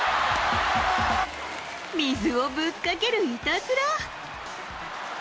水をぶっかけるいたずら。